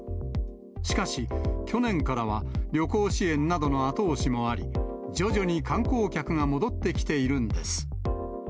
しかし、去年からは旅行支援などの後押しもあり、徐々に観光客が戻ってきているんです。